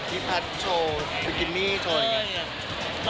พี่พัทโชว์บิกินี่โชว์ยังไง